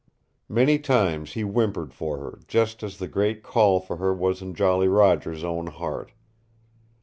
Many times he whimpered for her, just as the great call for her was in Jolly Roger's own heart.